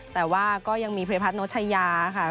แต่ว่าก็ยังมีเพราะพระพันธ์โนชัยาค่ะ